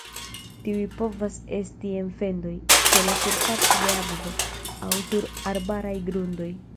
Tiuj povas esti en fendoj, ĉe la surfaco de akvo, aŭ sur arbaraj grundoj.